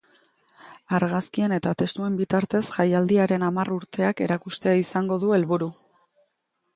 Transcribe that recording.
Argazkien eta testuen bitartez jaialdiaren hamar urteak erakustea izango du helburu.